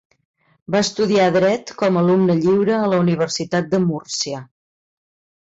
Va estudiar dret com alumne lliure a la Universitat de Múrcia.